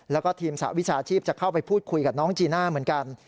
แล้วก็ทีมสหวิชาชีพจะเข้าไปพูดคุยกับน้องจีน่าเหมือนกัน